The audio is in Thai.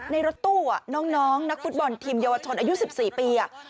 ในรถตู้น้องนักฟุตบอลทีมเยาวชนอายุ๑๔ปี